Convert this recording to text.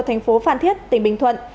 phan thiết tỉnh bình thuận